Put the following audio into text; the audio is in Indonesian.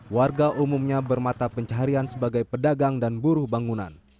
warga umumnya bermata pencaharian sebagai pedagang dan buruh bangunan